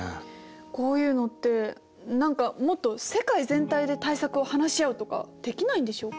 こういうのって何かもっと世界全体で対策を話し合うとかできないんでしょうか？